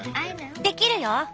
できるよ！